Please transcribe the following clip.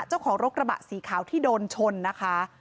เจ้าของรถกระบะสีขาวที่โดนชนนะคะ